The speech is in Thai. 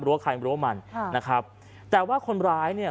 ใครรั้วมันค่ะนะครับแต่ว่าคนร้ายเนี่ย